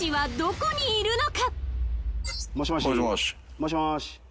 もしもーし。